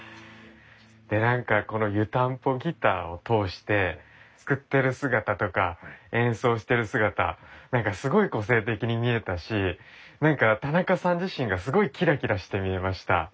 何かこの湯たんぽギターを通して作ってる姿とか演奏している姿すごい個性的に見えたし何か田中さん自身がすごいキラキラして見えました。